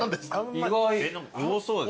意外。